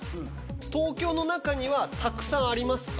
東京の中にはたくさんありますか？